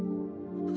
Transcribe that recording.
あ。